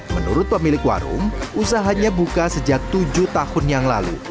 menurut pemilik warung usahanya buka sejak tujuh tahun yang lalu